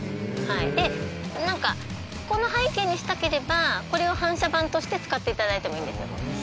で、なんかこの背景にしたければ、これを反射板として使っていただいてもいいんですよ。